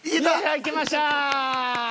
いけました！